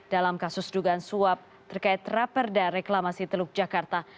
dalam kasus dugaan suap terkait raperda reklamasi teluk jakarta